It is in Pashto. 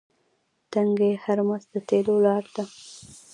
تنګی هرمز د تیلو لاره ده.